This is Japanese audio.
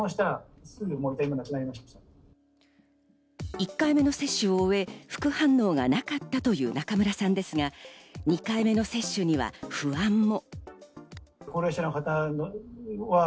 １回目の接種を終え、副反応がなかったという中村さんですが、２回目の接種には不安も。